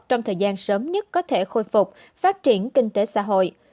trong thời gian sớm nhất có thể khôi phục phát triển kinh tế xã hội